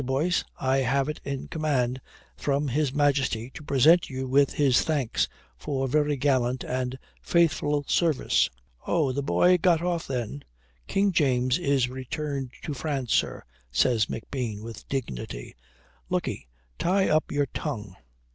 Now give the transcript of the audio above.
Boyce I have it in command from His Majesty to present you with his thanks for very gallant and faithful service." "Oh, the boy got off then?" "King James is returned to France, sir," says McBean with dignity. "Look 'e, tie up your tongue.